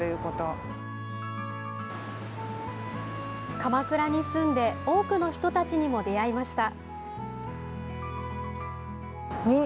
鎌倉に住んで多くの人たちにも出会いました。